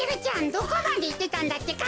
どこまでいってたんだってか。